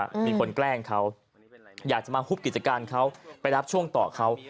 มีคนแกล้งเขาอยากจะมาฮุบกิจการเขาไปรับช่วงต่อเขา